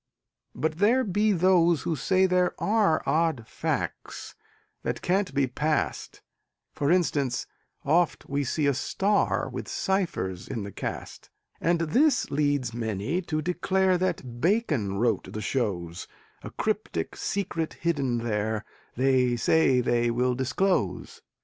But there be those who say there are Odd facts that can't be passed: For instance, oft we see a star With ciphers in the cast And this leads many to declare That Bacon wrote the shows; A cryptic secret hidden there They say they will disclose.